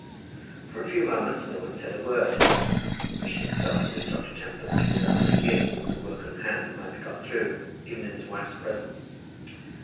For a few moments no one said a word. The bishop felt that if Dr. Tempest would only begin, the work on hand might be got through, even in his wife's presence.